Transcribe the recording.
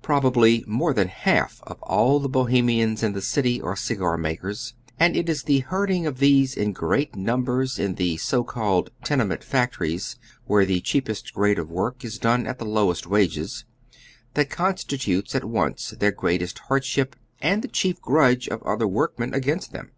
Probably more than half of all the Bohemians in this city are cigarmakera, and it is oy Google 138 HOW THE OTHER HALF IIVES. the herding of these in great numbers in the so called tenement factories, where the cheapest grade of work is done at the lowest wages, that constitutes at once their greatest hardship and the eiiief grudge of other workmen against them.